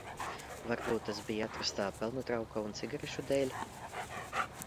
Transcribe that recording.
Varbūt tas bija atrastā pelnu trauka un cigarešu dēļ?